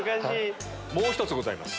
もう１つございます。